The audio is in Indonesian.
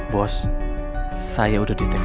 bos saya udah di tkp